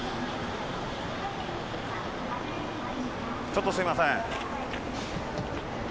ちょっとすいません。